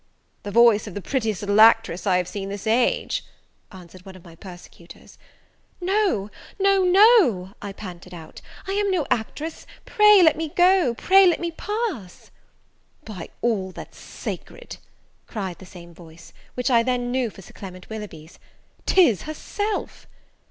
"The voice of the prettiest little actress I have seen this age," answered one of my persecutors. "No, no, no " I panted out, "I am no actress pray let me go, pray let me pass " "By all that's sacred," cried the same voice, which I then knew for Sir Clement Willoughby's, "'tis herself!"